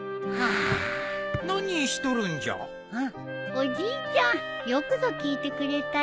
おじいちゃんよくぞ聞いてくれたよ。